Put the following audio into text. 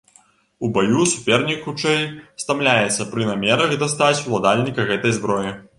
У баю супернік хутчэй стамляецца пры намерах дастаць уладальніка гэтай зброі.